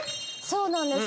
そうなんです。